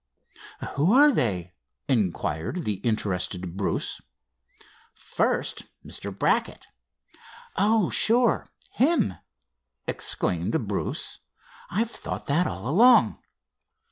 "Who are they?" inquired the interested Bruce. "First, Mr. Brackett." "Oh, sure, him!" exclaimed Bruce. "I've thought that all along."